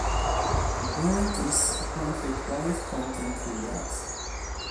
Bryant is apparently quite content with that.